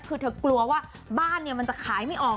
คือเธอกลัวว่าบ้านมันจะขายไม่ออก